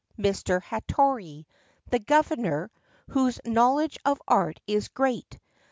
Mr. Hattori, the Governor, whose knowledge of Art is great.